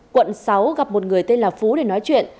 quận sáu gặp một người tên là phú để nói chuyện